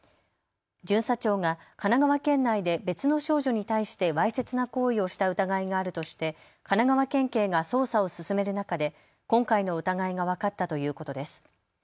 巡査長が神奈川県内で別の少女に対してわいせつな行為をした疑いがあるとして神奈川県警が捜査を進める中で今回の疑いが分かったということです。